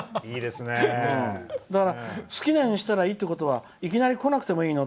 だから、好きなようにしたらいいっていったらいきなり来なくてもいいの？